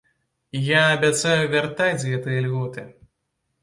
Я абяцаю вяртаць гэтыя льготы.